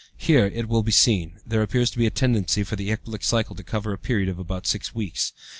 Here, it will be seen, there appears to be a tendency for the ecbolic cycle to cover a period of about six weeks.